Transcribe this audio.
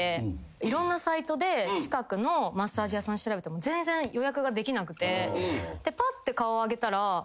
いろんなサイトで近くのマッサージ屋さん調べても全然予約ができなくて。